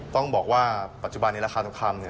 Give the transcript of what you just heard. ต้องบอกว่าปัจจุบันนี้ราคาทองคำเนี่ย